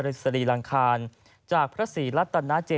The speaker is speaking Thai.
ที่มีโอกาสได้ไปชม